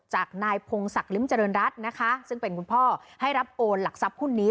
จากนายพงศักดิ์ลิ้มเจริญรัฐนะคะซึ่งเป็นคุณพ่อให้รับโอนหลักทรัพย์หุ้นนี้